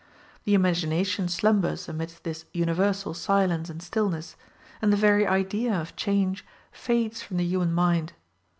The imagination slumbers amidst this universal silence and stillness, and the very idea of change fades from the human mind.